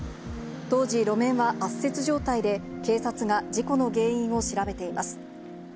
当時、路面は圧雪状態で、警察が事故の原因を調べています。